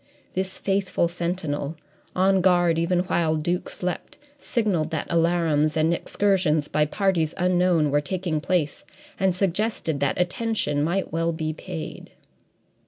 This faithful sentinel, on guard even while Duke slept, signalled that alarums and excursions by parties unknown were taking place, and suggested that attention might well be paid.